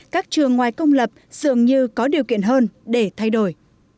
các trường ngoài công lập dường như có điều kiện hơn để thay đổi